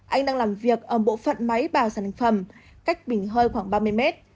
anh đang làm việc ở bộ phận máy bào sản phẩm cách bình hơi khoảng ba mươi mét